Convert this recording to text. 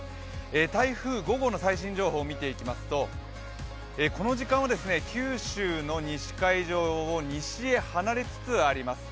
台風５号の最新情報を見ていきますとこの時間は九州の西海上を西へ離れつつあります。